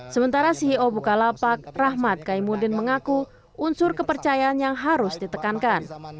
sementara ceo bukalapak rahmat kaimuddin mengaku unsur kepercayaan yang harus ditekankan